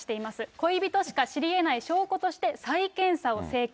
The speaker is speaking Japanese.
恋人しか知りえない証拠として再検査を請求。